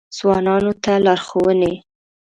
ځوانانو ته لارښوونې: